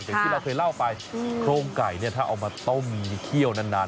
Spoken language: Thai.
อย่างที่เราเคยเล่าไปโครงไก่เนี่ยถ้าเอามาต้มเคี่ยวนาน